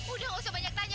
udah gak usah banyak tanya